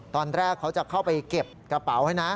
ตอนแรกเขาจะเข้าไปเก็บกระเป๋าให้นะ